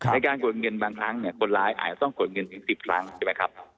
ในการกดเงินบางครั้งเนี่ยคนร้ายอาจจะต้องกดเงินถึง๑๐ครั้งใช่ไหมครับ